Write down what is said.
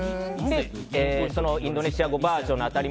インドネシア語バージョンのあたり